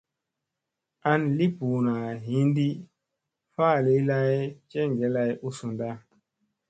An li ɓuuna hinɗi faali lay jeŋge lay u sunɗa.